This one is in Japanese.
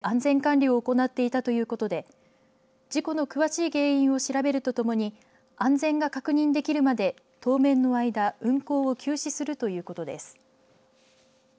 財団では独自の安全マニュアルを作成して安全管理を行っていたということで事故の詳しい原因を調べるとともに安全が確認できるまで当面の間運行を休止するということです。